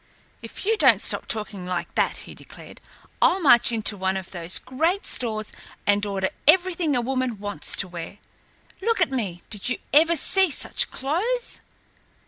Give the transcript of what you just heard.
"If you don't stop talking like that," he declared, "I'll march into one of those great stores and order everything a woman wants to wear. Look at me. Did you ever see such clothes!"